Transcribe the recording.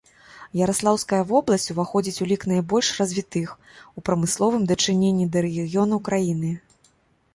Яраслаўская вобласць уваходзіць у лік найбольш развітых у прамысловым дачыненні да рэгіёнаў краіны.